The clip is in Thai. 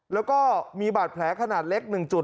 แล้วก็มีบาดแผลขนาดเล็ก๑จุด